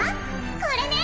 これね！